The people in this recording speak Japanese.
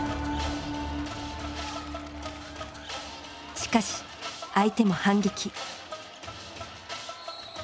しかし相手も反撃。